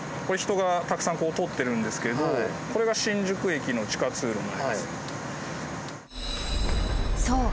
これ人がたくさん通ってるんですけどこれが新宿駅の地下通路なんです。